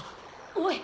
おい。